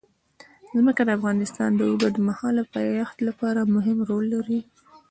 ځمکه د افغانستان د اوږدمهاله پایښت لپاره مهم رول لري.